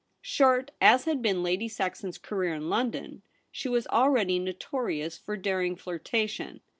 Short as had been Lady Saxon's career in London, she was already notorious for daring flirtation.